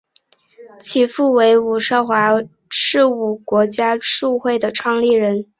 其父为伍绍华是伍家国术会的创立人。